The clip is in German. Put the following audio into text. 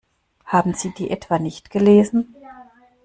Haben Sie die etwa nicht gelesen?